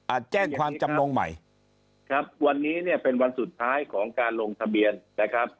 แจ้งความจำนงใหม่ครับวันนี้เนี่ยเป็นวันสุดท้ายของการลงทะเบียนนะครับ